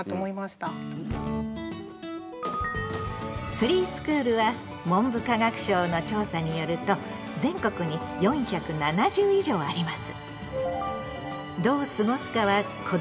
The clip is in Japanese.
フリースクールは文部科学省の調査によると全国に４７０以上あります。